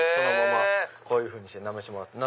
こういうふうになめしてもらって。